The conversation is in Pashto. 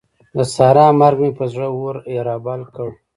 د سارا مرګ مې پر زړه اور رابل کړ.